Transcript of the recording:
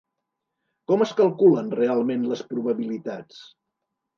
Com es calculen realment les probabilitats?